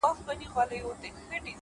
• شین سهار وو د مخلوق جوپې راتللې,